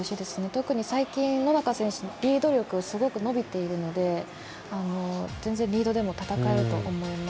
特に最近、野中選手リード力すごく伸びているので全然リードでも戦えると思います。